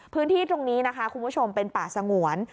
พื้นที่ตรงนี้นะคะคุณผู้ชมเป็นป่าสงวน